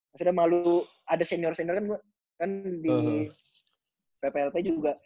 maksudnya malu ada senior senior kan gue kan di pplt juga